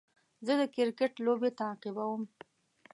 زه د کرکټ لوبې تعقیبوم.